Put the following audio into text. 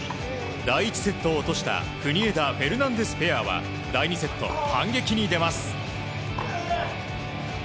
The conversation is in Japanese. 第１セットを落とした国枝、フェルナンデスペアは第２セット、反撃に出ます。